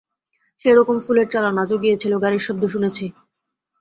সেইরকম ফুলের চালান আজও গিয়েছিল, গাড়ির শব্দ শুনেছি।